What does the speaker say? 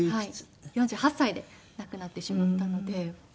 ４８歳で亡くなってしまったので。